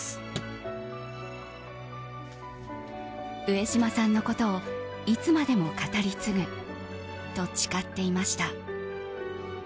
上島さんのことをいつまでも語り継ぐと誓っていました。